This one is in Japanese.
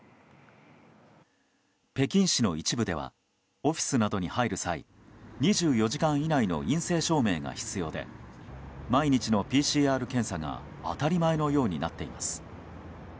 北京市の一部ではオフィスなどに入る際２４時間以内の陰性証明が必要で毎日のＰＣＲ検査が当たり前のようになっています。